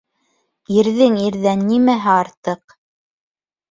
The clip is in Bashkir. - Ирҙең ирҙән нимәһе артыҡ?